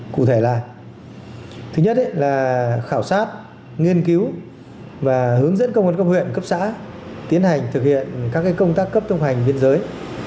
cụ thể là thứ nhất là khảo sát nghiên cứu và hướng dẫn công an cấp huyện cấp xã tiến hành thực hiện các công tác cấp thông hành biên giới